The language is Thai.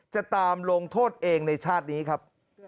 จะตามลงโทษเองในชาตินี้ครับ